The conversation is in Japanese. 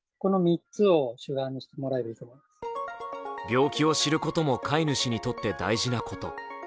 病気を知ることも飼い主にとって大事なこと。